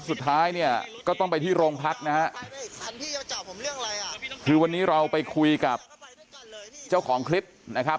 สุดท้ายเนี่ยก็ต้องไปที่โรงพักนะฮะคือวันนี้เราไปคุยกับเจ้าของคลิปนะครับ